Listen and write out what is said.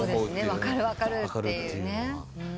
分かる分かるっていうね。